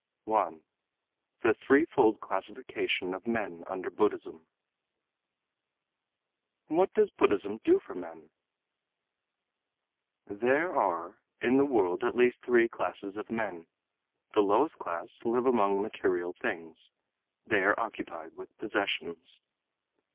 1. The Threefold Classification of Men Under Buddhism "What does Buddhism do for men?" "There are in the world at least three classes of men. The lowest class live among material things, they are occupied with possessions.